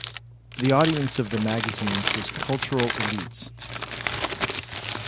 The audience of the magazine was cultural elites.